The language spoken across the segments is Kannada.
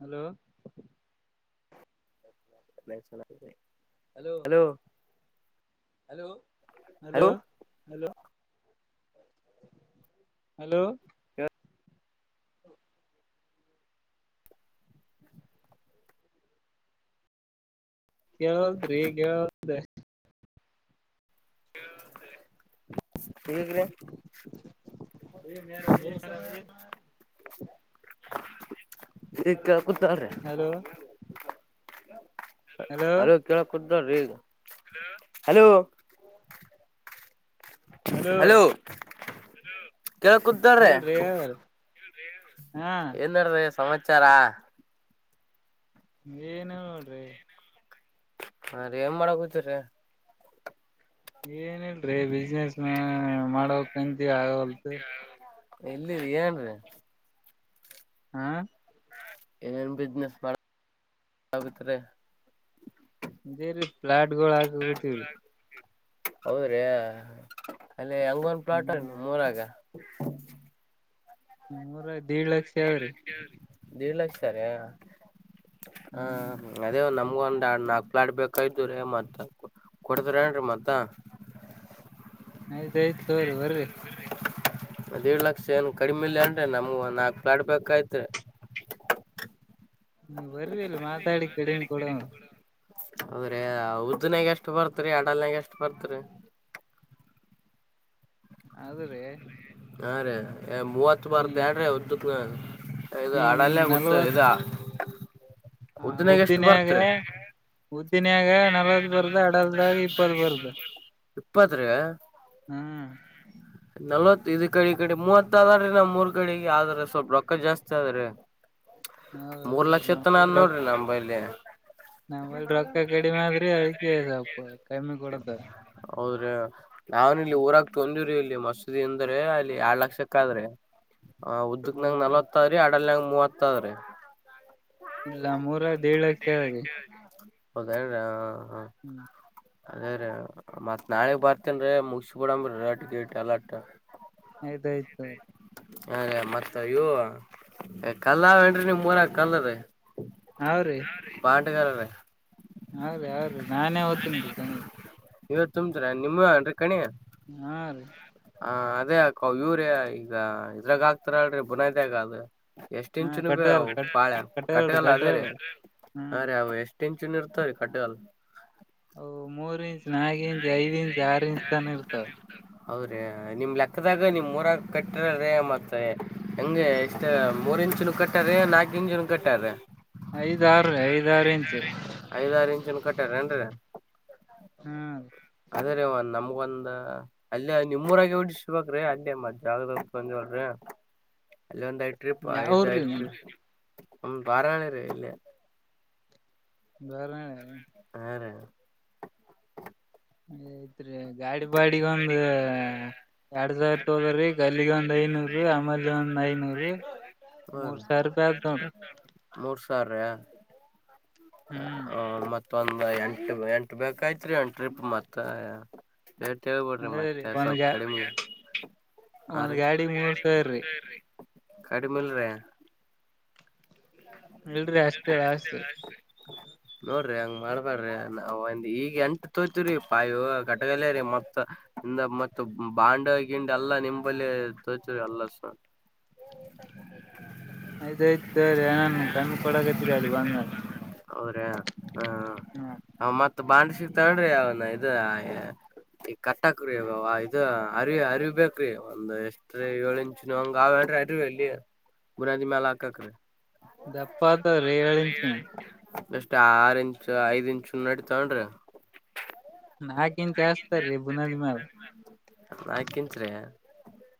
ಹಲೋ [inaudible] ಹಲೋ ಹಲೋ ಹಲೋ ಹ ಹಲೋ ಹ [unintelligible] ಹ [unintelligible] ಕೆಲ್ತ್ ರೀ ಕೆಲ್ [unintelligible] ಗ ರ ಕ ಕುತ್ತ ಹಲೋ ಹಲೋ ಅಲೋ ಕೇಳಕ್ ಕೊಡ್ ಹಲೋ ಹಲೋ ಹಲೋ ಕಳ್ ಕುದಾರ್ರೆ ಹೇಳ್ರಿ ಹೇಳ್ರಿ ಹಾ ಏನ್ ಮಾಡಡ್ರ ಸಮಾ ಚಾರಾ [unintelligible] ಏನ ನೋಡ್ರಿ ಹಾ ರೀ ಏನ್್ ಮಾಡಕತರಿ ಏನ್ಲ್ರಿೀಜ ಮಾಡೋ ಕಂತ ಆ ಹೊತೆ ಎಲ್ಲಿ ಏನೇನ್ರರಿ ಹಾ ಏನೇನ್ ಬಿಸ್ನೆಸ್ ಮಾಡ್ರೆ ೇೀ ಪ್ಲಾಟ್ಗಳು ಹಾಕಗತವ್ರಿ ಹೌದ್ರಿ ಅಲ್ಲಿ ಹಂಗೊಂದ್ ಪ್ಲಾಟ್ ಹ್ಮ್ ಮೂರಾಗ ಹ್ಮೂಊರ ಆಯ್ತು ದೇಡ್ ಲಕ್ಷ ಯಾವ ರೀ ದೇಡ್ ಲಕ್ಷ ಸರ ಹಾ ಹ್ಮ್ ಅದೇ ನಮ್ಮ ನ ಒಂದ್ ನಾಕ್ ಲ ಆಡ್ ಬೇಕಾಯ್ು್ರೀ ಮತ್ತ ಕೊಡ್ತ್ರ ಏನ್ೀ ಮತ್ತ ಆಯ್ತ್ಾಯಯ್ತ ತೋ್ರಿ ಬರ್ರಿ ್ೇಡ್ ಲಕ್ಷ ಏನು ಕಡಿಮ ಇಿಲ್ಲ ಅನ್್ರೆ ನಮ್ಗ ಒ ನಾಲ್ಕ್ು ಆಡ್ಬೇಕಾಯ್ತ್ರಿ ನೀ ವರ್ವಿಲ್ಲ ಮಾತಾಡಿ ಕಡಿಮ ಕೂಡ ಹೌದ್ರಿ ಉದ್ದ್ನಯಾಗ ಎಷ್ಟು ಬರ್ತ್ರಿ ಆಡಲ್ನಾಗ ಎಷ್ಟ್ ಬರ್ತ್ರಿ ಅದ ರೀ ಹಾ ರೇ ಮೂವತ್ತು ಬಾರ ದಡ್ರೆ ಉದ್ದ ಬ್ ಇದು ಹಿಂಗ್ ಅಡಲ್ಲೇ ಕೂತ ನಲ್ವತ್ ಇದಾ ಉದ್ದನಾಗ ಎಷ್ಟ ಬರ್ತ್ರಿ ಉದ್ದಿನಿಯಾಗ ನಲ್ವತ್ ಬರ್ದು ಅಡಲ್ದಾಗ ಇಪ್ಪತ್ ಬರ್ದು ಇಪ್ಪತ್ ರ ನಲ್ವತ್ ಇ ಕಡೆ ಕಡೆ ಮೂವತ್ ಆದ್ರೀ ನಾವ್ ಮೂರ್ ಕಡೆಗೆ ಆದ್ರ ಸ್ವಲ್ಪ ರೊಕ್ಕ ಜಾಸ್ತಿ ಆದ್ರಿ ಮೂರ್ ಹೌದೌದು ಲಕ್ಷ ನಮ್ ಇತ್ತನ ಕಡೆ ಅ ರೊಕ್ ನೋಡ್ರಿ ನಂಬೈಲ್ಲಿ ನಮ್ಮಲ್ಲಿ ರೊಕ್ಕ ಕಡಿಮೆ ಆದ್ರಿ ಅದಕ್ಕೆ ಸ್ವಲ್ಪ ಕಮ್ಮಿ ಕೊಡತಾರ ಹೌದ್ರಿ ಹ ನಾವ್ ಇಲ್ಲಿ ಊರ ಂಜೂರಿಲ್ಲಿ ಮಸೂದಿ ಅಂದ್ರೆ ಅಲ್ಲಿ ಎರಡ್ ಲಕ್ಷಕ್ಕ ಆದ್ರೆ ಹ ಉದ್ದಕ್ ನಂಗ್ ಹೌದೌದು ನಲವತ್ತಾವ ರೀ ಅಡಲ್ನಂಗ್ ಮೂವತ್ತಾದ್ರೆ ಇಲ್ಲ ಮೂರ ಏಳರಿ ಹೌದೇರ ಹ್ಮ್ ಅದೇ ರೀ ಮತ್ ನಾಳಿಗ್ ಬರ್ತೇನ್ ರೀ ಮುಗಸ ಬಿಡಂಬ ಾಟ ಅಲ್ಲಟ ಆಯ್ತಾಯ್ತು ಹ ಮತ್ತ ಇೂ ಕಲ್ಲಾವೇನ್ರಿ ನಿಮ್ ಮೂರಕ ಕಲ್ಲ ರೀ ಹ್ರೀ ಕಗಾರೇ ಹ್ರೀ ಅವ್ರೀ ನಾನೇ ಓ್ತನ್ ರೀ ಕಣಿ ನೀವ ತುಂಬ್ರಾ ನಿಮ್ಮ ಅನ್ೀ ಕಣಿ ಹಾ ರೀ ಹ ಅದೇ ಅಕ ಇವರ ಈಗ ಇದ್ರಾಗ ಆಾಕ್ತಾರ ಅಲ್ೀ ಬುನೈದಗ ಅದು ಎಷ್ಟ ಹಾ ಇಂಚುನು ಬಿ ಕಟ್ಟಲ್ ಅವು ಕಟ್ ಪಾಳ್ಯ ಕಟ್ಟಲ್ರಿ ಕಟ್ಟಗಲ್ಲ ಅದೇ ರ ಕಟ್ಟಲ್ರಿ ಹ್ಮ್ ಹ ರ ಅ ಎಷ್ಟ ಟನ್ಚಿನ್ ಇರ್ತಾರೆ ಕಟ್ಟೆ ಅಲ್ ಓ ಮೂರ್ ಇಂಚ್ ನಾಲ್ು ಇಂಚ್ ಐದ್ ಇಂಚ್ ಆರು ಇಂಚ್ ತಾನ ಇರ್ತಾವ ಹೌದ್ರೀ ನಿಮ್ ಲೆಕ್ಕದಾಗ ನಿಮ್ ಮೂರಾಗ ಕಟ್ಟರ ರೀ ಮತ್ತೆ ಹೆಂಗಗೆ ಎಷ್ಟ ಮೂರ್ ಇಂಚ ಕಟ್ಟರಿ ನಾಕು ಇಂಚ ಕಟ್ಟ್ರ ಐದ್ ಆರ್ರಿ ಐದ ಐದ್ ಆರ್ ಐದ ಇಂಚ್ ಐದಾರು ಇಂಚ ಕಟ್ಟಾರೇಏನ್ರೀ ಹಾ ಅದೇ ರೀ ಒ ನಮ್ಗೊಂದ್ ಅಲ್ಲಿೇ ನಿಮ್ೂರಾಗ ಹಟ್ಟಿಸಬೇಕ್ರೀ ಅಲ್ಲಿೇ ಮ ಜಾಗದಕಂದ ಹೇಳ್ರಿ ಅಲ್ಲ ಒಂದಯತ್್ರಿ ಪ ಯಾವ್ರಿ ಆಯದಯ್ತು ನಿಮ್ ನಮ್ದ ಾರಣೆ ರ ಇಲ್ಲಿ ಬರ ಹಾ ರ ಹ್ಮ ಗಡಿ ಬಾಡಿಿಗೆ ಒಂದ ಎರಡ್ ಸಾವಿರ ತೋದ್ರಿ ಗಲ್ಲಿಗೆ ಒಂದ್ ಐನೂರು ಅಮಲ್ ಒಂದ್ ಮೂರ್ ಐನೂರು ಸಾವಿರ ರೂಪಾಯಿ ಆತ್ ನೋಡ್ರಿ ಮೂರ್ ಸಾವಿರ ಹ್ಮ್ ಹ ಮತ್ತೆ ೊಂದ ಎಂಟು ಎಂಟು ಬೇಕಐತ್ೀ ಒ ಟ್ರಿಪ್ ಮತ್ತ ಎೇೇಳ್ಬಿಡ್ರಿ ಅದೇ ರೀ ಮತ್ತೆ ಒಂದ್ ಸ್ವಲ್ಪ ಗಾ ಕಡಿಮೆ ಒಂದ್ ಗಾಡಿ ಮೂರ್ ಸಾವಿರ ರೀ ಕಡಿಮೆ ಇಲ್ರಿ ಇಲ್ರಿ ಅಷ್ಟತ ಅಲ್ಲಸ್ ಡ್ರಿ ನಾವ ಒಂದ ಈಗ ಎಂಟು ತೋಯತವ್ರೀ ಪಾಯ ಕಟಗಲ್ಲೇ ರೀ ಮತ್ತ ಮ ಬಾಂಡ ಗಿಂಡಿ ಎಲ್ಲಾ ನಿಂಬಲ್ಲಿ ತೋತವರಿಿ ಎಲ್ಲ ಆಯ್ದಾಯ್ತು ನ ಕಮ್ಮ ಕಡ ಕತರಿ ಅಲು ಬ ಹೌದ್ರಿ ಹ ಮ ಬಾಂಡ್ರ ಸಿಕ್ತೊಂಡ್ರಿ ಅವನ ಇದ ಈ ಕಟ್ಟಾಕ್ರೀ ಇದ ಅರಿವಿ ಅರಿವಿ ಬೇಕ್ರಿ ಒಂದ್ ಎಷ್ಟ ಏಳು ಇಂಚ ಹಂಗ ಅವನ್್ರಿ ಅರಿ ಇಲ್ಲಿ ಬುನಾದಿ ಮ್ಯಾಲ ಹಾಕಕ್ರರಿ ದಪ್ಪಾತ ರೇಳಚಿನ ಅಷ್ಟ ಆರು ಇಂಚ್ು ಐದ್ ಇಂಚು ನಡಿ ತಗೊಂಡ್ರಿ ನಾಕ್ ಇಂಚ್ ಹಸ್ತಾರೀ ಬುನಾದಿ ಮ್ಯಾಲ ನಾಕ ಇಂಚ್ ರೀ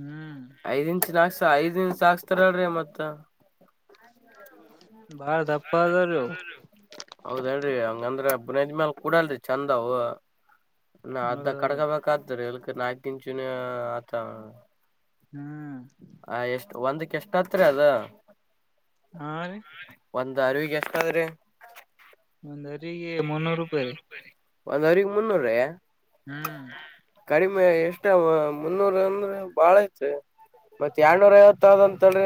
ಹ್ಮ್ ಐದ್ ಇಂಚ್ ನಾ ಐದಿನ ಸಾಕ್ಸ್ತಾರಳಿ ಮತ್ತ ಬಾರ ಧಪ್ಪಪ್ಪಾದ ರೋ ಹ ಅಂದ್ರೆ ಬುನದ ಮ್ಯಾಲ ಕೂಡ ಅಲ್ ಚಂದವು ನ ಅದ್ದ ಹೌದೌದು ಕಡ್ಕಬೇಕಾದ್ರಿ ಎಲ್ ನಾಕ ಇಂಚುನ ಆತ ಹ್ಮ್ ಆ ಎಷ್ಟ ಒಂದಕ್ಕೆ ಎಷ್ಟ ಹತ್ರ ಅದ ಹಾ ರೀ ಒಂದ್ ಅರಿವಿಗೆ ಎಷ್ಟಾದ್ರೆ ಒಂದ ಮುನ್ನೂರು ರೂಪಾಯಿ ರೀ ಒಂದ್ ಅವ್ರಿಗೆ ಮುನ್ನೂರ ರಿ ಹ್ಮ್ ಮುನ್ನೂರ ಅಂದ್ರ ಬಾಳ ಐತ್ ಮತ್ತತ್ ಎರಡ್ನೂರ ಐವತ್ತ ಆದ ಅಂತ ಹೇಳಿ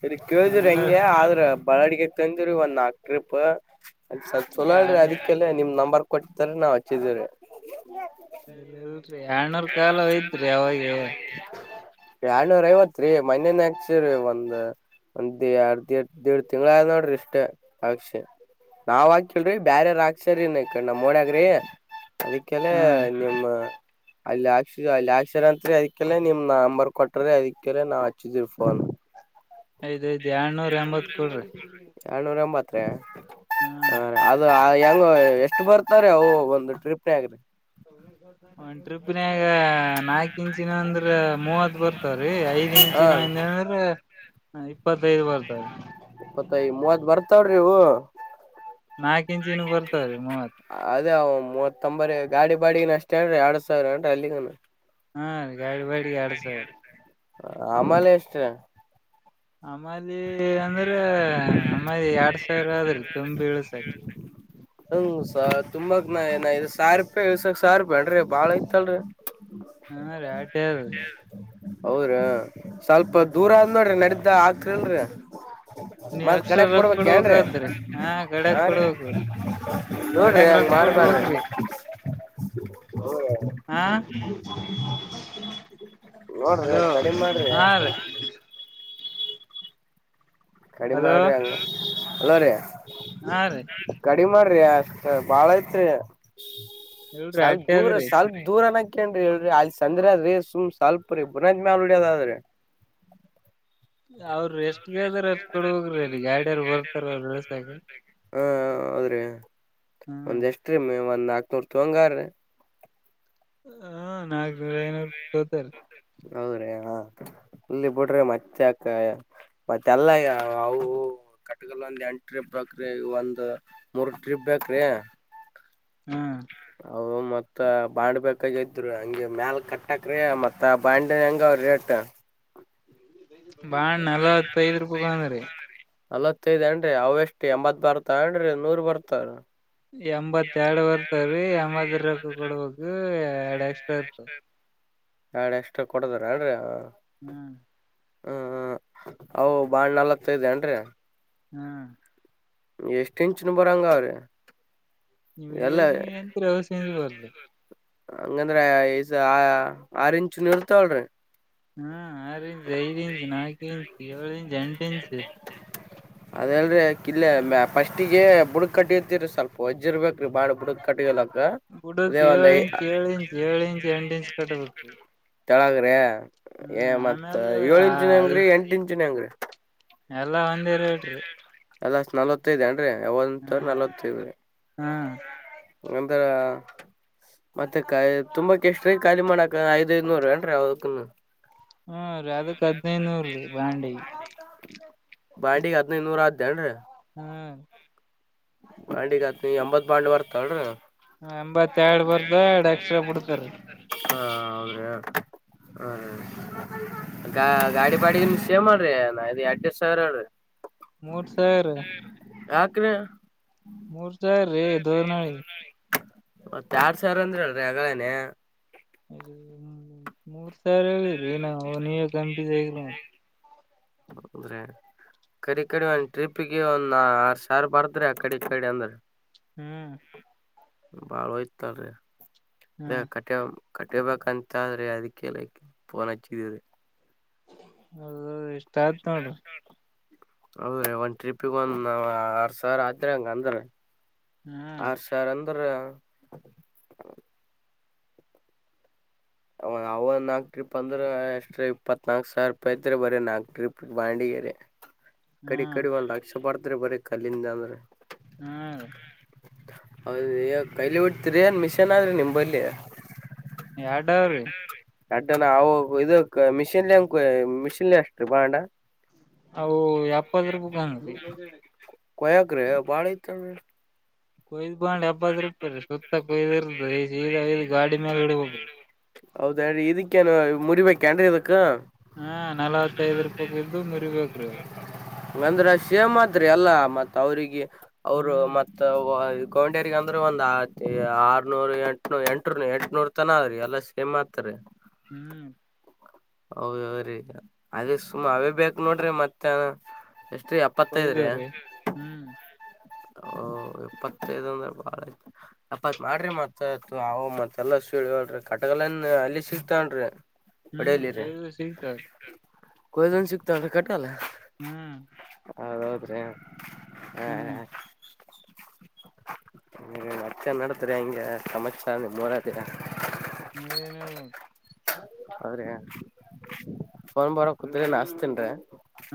ಸರಿ ಕೇಳಿದಿ್ರ ಎರಡ್ನೂರ್ ಹೆಂಗೆ ಆದ್ರೆ ಬಳಾಡಿಗೆ ತಂದ್ರ ಒಂದ್ ನಾಕ ತ್ರಿಪ್ ಅದ ಸ ಚಲೋ ಹೇಳ್ರರಿ ಎರಡ್ ಅದಿಕ್ಕೆಲ್ಲ ನಿಮ್ ನಂಬರ್ ಕೊಡ್ತಾರ ನಾವವು ಹಚ್ಚಿದೆರೆ ಹ ಎಳ್ನೂರ್ ಕಾಲ ಅಯ್ತ್ರಿ ಅವಾಗೆ ಎರಡ್ನೂರ ಐವತ್ ರರಿ ಮನನ್ ಹಾಕ್ಸೀ ಒಂದ್ ಒಂದ್ ಎರ್ದ ದಡ್ ತಿಂಗಳ ನೋಡ್ರಿ ಇಷ್ಟ ಅಕ್ಷಿ ನಾವ್ ಹಾಕಲ್ರಿಿ ಬ್ಯರಾರ ಹಾಕ್ಸರಿೀ ನಕ ನಮ್ ಮೋಡಗ್ರಿ ಅದಕ್ಕೆನೆ ಹಾ ನಿಮ್ಮ ಅಲ್ಲಿ ಹಾಕ್ಕ್ಷ ಅಲ್ಲಿ ಆಾಕ್ಷಸರ ಅಂತತ್ರಿ ಅದಕ್ಕೆಲ್ಲ ನಿಮ್ ನಂಬರ್ ಕೊಟ್ರ ಅದಕ್ಕೆಲ್ಲ ನಾವ್ ಆ ಚತ್ರಫನ್ ಐದ್ ಐದ್ ಎರಡ್ನೂರ್ ಎಂಬತ್ ಕೊಡ್ರಿ ಎನೂರ ಎಂಬತ್ ರಿ ಹಾ ಹೆಂಗ ಎಷ್ಟು ಬರ್ತಾರ ಅವು ಒಂದು ಟ್ರಿಪ್ ಆಗ್ರೆ ಹ ರುಬನ್ಯಾಗ ನಾಕ ಇಂಚಿನ ಅಂದ್ರ ಮೂವತ್ ಬರ್ತಾವ್ರೀ ಐದ್ ಹಾ ಇಂಚಿನ ರೀ ಅಂದ ಅಂದ್ರ ಹ ಇಪ್ಪತ್ತೈದು ಬರ್ತದೆ ಇಪ್ಪತ್ತೈ ಮೂವತ್ ಬರ್ತಾವ್ರಿ ಇವು ನಾಲ್ಕು ಇಂಜಿನ್ ಬರ್ತವೆ ರೀ ಮೂವತ್ ಮೂವತ್ತೊಂಬರ ಗಾಡಿ ಬಾಡ ಅಷ್ಟೇನ್್ರರಿ ಎರಡ್ ಸಾವಿರ ಏನ್ರಿ ಅಲ್ಲಿಗ ಹಾ ರೀ ಗಾಡಿ ಬಾಡಿಗೆ ಎರಡ್ ಸಾವಿರ ಆಮಲೆ ಎಷ್ಟ್ರ ಅಮಾಲಿ ಅಂದ್ರೆ ಅಮ್ಮಾಲಿ ಎರಡ್ ಸಾವಿರ ಆದ್ರ ಉತ್ತಮ ವೇಳಸಾಯ ಹ್ಮ ತುಂಬಾಕ್ ನಏನ ಸಪಸಕ್ ಸ ಬೇಡ್ರಿ ಬಾಳ ಐತಲ್ರಿ ಹಾ ರೀ ಆಟೆ ಅದ್ರಿ ಹ್ಮ್ಮ್. ಹೌದ್ರ ಸ್ವಲ್ಪ ಹ್ಮ್ ದೂರ ಆದ ನೋಡ್ರಿ ನಡ್ದ ಹಾಕರಿಲ್ರಿ ನೀವ್ ಮದ ಎಕ್ಸ್ಟ್ರಾ ಕಡಗ್ ರೊಕ್ಕ ಕೊಡ್ಬೇಕ ಏನ್್ರೀ ಕೊಡ್ಬೇಕಾದ್ರಿ ಹಾ ಹ ಕಡೆಕ್ ಕೊಡ್ಬೇಕ್ರಿ ನೋಡ್ರಿ ಕಡೆಕ್ ಹಂಗ್ ರೊಕ್ಕ ಮಾಡಾರಬಾರ ಕೊಡ್ಬೇಕ್ರಿ ಹಾ ನೋಡ್ರಿ ಹಲೋ ಕಡಿಮೆ ಮಾಡ್ರಿ ಹಾ ರೀ ಕಡಿಮ ಹಲೋ ಮಾಡ್ರಿ ಹಂಗ ಅಲವ್ರೀ ಹಾ ರೀ ಕಡಿಮ ಮಾಡ್ರಿ ಹ ಬಾಳ ಐತ್ರಿ ಎಲ್ರಿ ಸ್ವಲ್ಪ ಅಡ್ಡಿ ದೂರ ಅದ್ರಿ ಸ್ವಲ್ಪ ದೂರನ ಅಕ್ಕೇನ್ಿ ಹೇಳ್ರಿ ಅದ್ ಸಂಂದ್ರ ಆದ್ರಿ ಸು್ ಸ್ವಲ್ಪ ರೀ ಬುನಾದ ಮೇ್ಳ್ಳಿಯದ ಆದ್ರಿ ಅವ್ರ ಎಷ್ಟಗಾದ್ರ ಅಷ್ಟ ಕೊಡಬ್ರಿ ಅಲ್ಲಿ ಗಾಡಿಯರು ಬರ್ತಾರ ಅವ್ರ ಇಳಸಾಗ ಹಾ ಹೌದ್ರಿ ಹ್ಮ ಒಂದ್ ಎಷ್ಟ್ರ ನಾಲ್ಕನೂರ್ ತೊಂಗಾರ್ರೆ ಹ್ಮ ನಾಾಗನೂರ ಐನೂರು ತೋತಾರ ಹೌದ್ರೀ ಹಾ ಇಲ್ಲಿ ಬಿಡ್ರಿ ಮತ್ತೆ ಅಕ ಮತ್ತೆಲ್ಲ ಅವು ಕಟ್ಗಲ್ಲ ಒಂದು ಎಂಟ್ರಿ ಬಕ್ರಿ ಒಂದು ಮೂರ್ ್ರಿಪ್ ಬ್ರಿ ಅ ಹ್ಮ್ ಮತ್ತ ಬಾಾಣ್ ಬಾಗ ಇದ್ರು ಹಂಗೆ ಮ್ಯಾಲ ಕಟ್ಟಕ್ ಮತ್ತ ಬಂಡ ಹೆಂಗ ಅವ ರೇಟ್ ಬಾ ನಲವತ್ತ ಐದ್ ರೂಪಾಯಿಗಂದ್ರಿ ನಲ್ವತ್ತೈದ್ ಅನ್್ರಿ ಅವ ಎಷ್ಟು ಎಂಬತ್ ಬರ್ತಾವ ಅನ್್ರಿ ನೂರ್ ಬರ್ತಾರ ಎಂಬತ್ತ ಎರಡು ಬರ್ತಾವ್ರೀ ಎಂಬದ ರಕ್ಕ ಕೊಡ್ಬೇಕ ಎರಡ್ ಎಕ್ಸ್ಟ್ರಾ ಇರ್ತಾವ ಆಾಡ ಎಷ್ಟ ಕೊಡದಾರ ಆಡ್ರಿ ಹ್ಮ್ ಹ್ಮ್ ಅವು ಬಾಳಳ್ ನಲತ್ತ ಇದೆ ಅನ್್ರಿ ಹ್ಮ್ ಎಷ್ಟು ಇಂಚಿನ ಬರಂಗ ಅವ್ರೀ ನಿಮ್ಗೆ ಸೇಂಜ ಅಂತ ಅವ ಸೇಜ್ ಬಾರಲ್ಲ ಹಂಗಂದ್ರ ಈಸ ಆ ಆರೆಂಚ ಇರ್ತಾವಳ್ರಿ ಹ್ಮ್ ಆರು ಇಂಚಚ್ ಐದ ಇಂಚು ನಾಕು ಇಂಚು ಏಳು ಇಂಚಚ್ ಎಂಟ ಇಂಚು ಅದಲ್ರೀ ಕಿಲ್ಲ ಫಸ್ಟಿಗೆ ಬುಡ್ ಕಟ್ಟಿ ಇರ್ತಿರಿ ಸ್ವಲ್ಪ ಹೊಜ್ಜಿರ್ಬೇಕಕ್ ಕುಡುಕ್ ಒಂದ್ ಏಳು ಐ ಇಂಚ್ ಏಳು ಇಂಚ್ ಏಳು ಇಂಚ್ ಎಂಟ ಇಂಚ್ ಕಟ್ಟಬೇಕಕ್ಿ ತಳಾಗ್ರ ಹ್ಮ್ ಆಮೇಲ್ ಏಳು ಇಂಚಿನ ಐ ಅಂಗ್ರರಿ ಎಂಟ ಇಂಚ ಂಗ ಎಲ್ಲಾ ಒಂದಿರು ಹೇಳೇಡ್ರಿ ಅಲ್ಲಷ್ಟ ನವತ್ತೈದುೇಣ ಒತ್್ರ ನಲ್ವತ್ತು್ರೆ ಹ್ಮ್ ಒಂತರ ಮತ್ತೆ ಕ ತುಂಬಾಕ್ಕೆ ಎಷ್ಟ ರೀ ಕಾಲಲಿ ಮಣಾ ಐದುಐನೂರು ಏ್ರ ಅವದು ಹ್ಮ ರೀ ಅದಕ್ ಹದ್ಿನೈನೂರ ರೀ ಬಾಂಡಿ ಬಾಂಡಿಗೆಗ್ ಹದಿನೈದುನೂರ ಹ ಆದ್ದೇನ್ರೀ ಹ್ಮ್ ಬಾಂಡಿಗತ್ನ ಎಂಬತ್ ಬಾಂಡ್ ಬರ್ತಳರ ಹ ಎಂಬತ್ತೆರಡ್ ಬರ್ದಡ್ ಎಕ್ಸ್ಟ್ರಾ ಬಿಡ್ತಾರೀ ಹೌದ್ರಿ ಹ್ಮ್ ಗ ಗಾಡಿ ಬಾಡಿ ನಿಮ ಸೇವ್ ಮಾಡ್ರಿ ಎಡ್ ಎಡ್ ಸಾವಿರ ಹೇಳ್ರಿ ಮೂರು ಸಾವಿರ ಯಾಕ್ರ ಮೂರ್ತ ರೇ ದೋ ನಳಿ ಮತ್ತ ಯಾರ್ ಸಾವರ ಅಂದ್ರೆ ಹೇಳ್ರಿ ಹೆಗಳೇನೆೇ ಅದ ಹ್ಮ ಮೂರ್ ರಿ ಏ ನ ನೀ ಕಂಪಿ ಸ ಅಂದ್ರೆ ಕಡೆ ಕಡೆ ಒಂದ ಟ್ರಿಪ್ಗೆ ಒಂದ ಆರ್ ಸಾವ ಬಾರದ್ರೆ ಕಡೆ ಕಡೆ ಅಂದ್ರೆ ಹ್ಮ್ ಬಳ ಇತೆ ಅದ ಹ್ಮ್ ಕಟ್ಟ ಕಟ್ಟಿಬೇಕಂತಾದ್ರೆ ಅದಕ್ಕೆಲ್ಲ ಪಫೋನ್ ಹಚ್ಚಿದಿದೆ ಹೌದು ಎಷ್ಟ ಸ್ಟ್ಯಾಂಪ್ ಕಾರ್ಡ್ ಹೌದ್ರೀ ಒಂದ್ ಟ್ರಿಪಿಗೆ ಒಂದ್ ಆರ್ ಸಾವಿರ ಆದ್ರೆ ಹಂಗ ಅಂದ್ರ ಹ್ಮ್ ಆರ್ಷಾರನ್ ಅವ ಅವ ನಾಲ್ಕಕ್ ಟ್ರಿಪ್ ಅಂದ್ರೆ ಅಷ್ಟ ಇಪ್ಪತ್ ನಾಲ್ಕ್ ಸಾವರ ರೂಪಾಯಿ ಐತ್ರಿ ಬರಿ ನಾಲ್ಕು ಟ್ರಿಪ್ ಬಾಂಡಗರಿ ಕಡಿ ಹ್ಮ್ ಕಡಿವಳ ಲಕ್ಷ ಬರ್ತ್ರೆ ಬರೀ ಕಲ್ಲಿಂದ ಅಂದ್ರೆ ಹಾ ಹೌದ ಕೈಲಿ ಬಿಡ್ತಿರಿ ಏನ್ ಮಿಷನ್ ಆದ್ರಿ ನಿಮ್ ಬಲ್ಲಿ ಎರಡು ಅವರೀ ಅಡ್ಡನ ಅವು ಇ ಮಿಷಿನ್ಲಿಂಗ ಮಿಷಿನ್ಲಿ ಅಷ್ಟು ಬಾಂಡ ನಾವು ಎಪ್ಪತ್ ರೂಪಾಯಿ [unintelligible] ಕೊಯಾಗ್ರೆ ಬಾಳ್ ಐತ್ ಹ್ಮ್ ಕೊಯ್ದ್ ಬಂದ್ ಎಪ್ಪತ್ ರೂಪಾಯಿ ರೀ ಸುತ್ತ ಕೊಯ್ದಿರ್ದ ಸೀದಾ ಒಯ್ದ್ ಗಾಡಿ ಮೇಲೆ ಇಡ್ಬೇಕ್ರಿ ಹೌದೇ ಇದಕ್ಕೇನು ಮುರಿಬೇಕನ್ರಿ ಇದಕ್ಕ ಹಾ ನಲವತ್ತೈದ್ ರೂಪಾಯಿ ಇದ್ದು ಮುರಿಬೇಕ್ರಿ ಅವು [unintelligible] ಆದ್ರೆ ಅಲ್ಲ ಮತ್ತ ಅವರಿಗೆ ಅವರು ಹ್ಮ್ ಮತ್ತ ಕೌಂಡ್ಯರಿಗ್ ಅಂದ್ರೆ ಒಂದ್ ಆರನೂರು ಎಂಟ್ ಎಂಟ ಎಂಟು ನೂರ್ ತನ ಎಲ್ಲ ಸೇಮ್ ಆತಾರಿ ಹ್ಮ್ ಹೌದೌದ್ ರೀ ಅದೇ ಸುಮ ಅವೇ ಬೇಕು ನೋಡ್ರಿ ಮತ್ತ ಎಪ್ಪತ್ತೈದ್ರೀ ಕೊಯ್ದವ್ರಿ ಹ್ಮ್ ಎಪ್ಪತ್ ಐದು ಅಂದ್ರೆ ಬಾಳ ಎಪ್ಪತ್ ಮಾಡ್ರಿ ಮತ್ ಆ ಅವ ಮತ್ತೆಲ್ಲ ಸೀಿ ಕಟಗಲನ್ ಅಲ್ಲಿ ಸಿಗ್ತನ್ ಹ್ಮ್ ಹೊಡೆಯಲ್ಲಿರ ಕೊಯ್ದು ಸಿಗ್ತಾವ್ರಿ ಕೊಯ್ದನ್ ಸಿಕ್ತ ಅಂದ್ರೆ ಕಟ್ಟಲ್ಲ ಹ್ಮ್ ಹೌದು ಹೌದು ಕೂಸಯ್ಯ ಹ್ಮ್ [unintelligible] ಮಚ್ಚ ನಡತರಿ ಹಂಗೆ ಸಮಚ್ಚ ನಿಮ್ ಮೂರೇ ದಿನ [unintelligible] [unintelligible]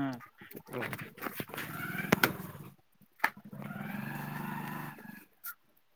ಹ್ಮ್ [inaudible]